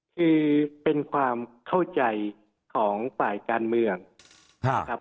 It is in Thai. คือเป็นความเข้าใจของฝ่ายการเมืองนะครับ